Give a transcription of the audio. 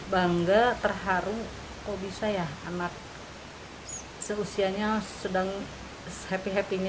bangga terharu kok bisa ya anak seusianya sedang happy happy nya